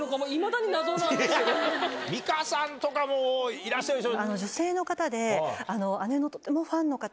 美香さんとかもいらっしゃるでしょ？